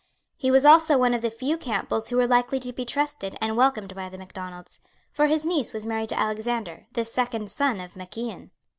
He was also one of the few Campbells who were likely to be trusted and welcomed by the Macdonalds; for his niece was married to Alexander, the second son of Mac Ian.